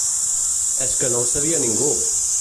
És que no ho sabia ningú!